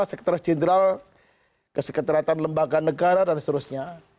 sekretaris jenderal kesekretariatan lembaga negara dan seterusnya